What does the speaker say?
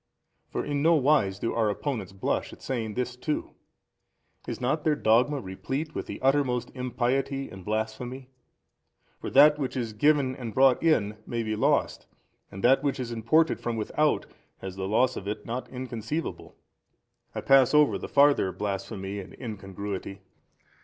for in no wise do our opponents blush at saying this too. Is not their dogma replete with the uttermost impiety and blasphemy? for that which is given and brought in may be lost, and that which is imported from without, has the loss of it not inconceivable. I pass over the farther blasphemy and incongruity.